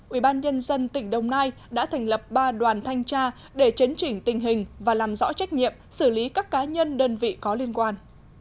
ubnd tỉnh đồng nai đã thành lập ba đoàn thanh tra để chấn chỉnh tình hình và làm rõ trách nhiệm xử lý các cá nhân đơn vị có liên quan